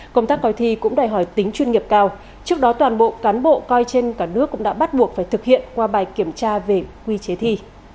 công tác coi thi cũng đòi hỏi tính chuyên nghiệp cao trước đó toàn bộ cán bộ coi trên cả nước cũng đã bắt buộc phải thực hiện qua bài kiểm tra về quy chế thi